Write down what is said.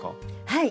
はい。